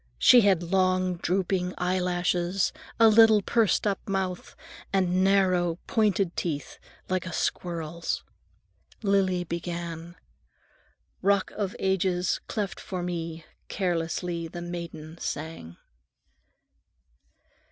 She had long, drooping eyelashes, a little pursed up mouth, and narrow, pointed teeth, like a squirrel's. Lily began:— "Rock of Ages, cleft for me, carelessly the maiden sang."